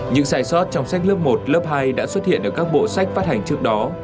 những sai sót trong sách lớp một lớp hai đã xuất hiện ở các bộ sách phát hành trước đó